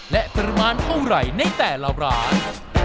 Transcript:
และประมาณเท่าไหร่ในแต่ละร้าน